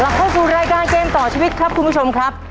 เข้าสู่รายการเกมต่อชีวิตครับคุณผู้ชมครับ